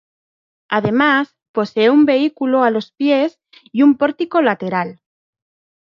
Además, posee un vestíbulo a los pies y un pórtico lateral.